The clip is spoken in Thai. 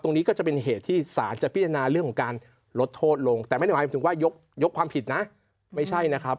ก็จะเป็นเหตุที่สารจะพิจารณาเรื่องของการลดโทษลงแต่ไม่ได้หมายถึงว่ายกความผิดนะไม่ใช่นะครับ